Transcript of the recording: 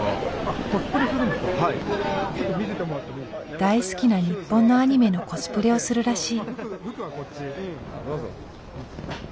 大好きな日本のアニメのコスプレをするらしい。